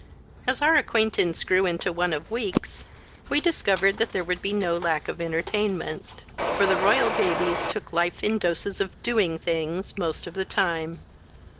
As our acquaintance grew into one of weeks, we discovered that there would be no lack of entertainment, for the royal babies took life in doses of "doing things" most of the time.